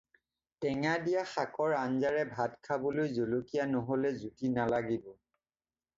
টেঙা দিয়া শাকৰ আঞ্জাৰে ভাত খাবলৈ জলকীয়া নহ'লে জুতি নালাগিব।